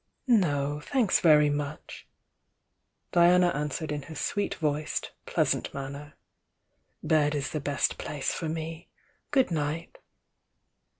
"No, thanks very much!" Diana answered in her sweet voiced, pleasant manner. "Bed is the best place for me. Good night!"